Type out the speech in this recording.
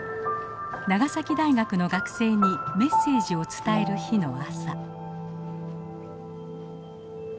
長崎大学の学生にメッセージを伝える日の朝。